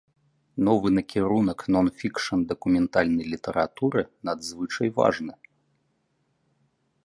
Новы накірунак нон-фікшн дакументальнай літаратуры надзвычай важны.